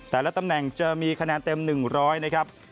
แต่ละตำแหน่งเจอมีคะแนนเต็ม๑๐๐นะครับ